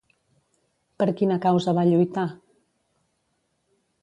Per quina causa va lluitar?